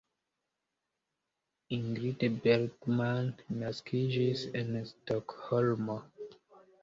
Ingrid Bergman naskiĝis en Stokholmo.